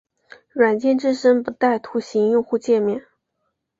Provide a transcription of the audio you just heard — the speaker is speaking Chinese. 软件自身不带图形用户界面。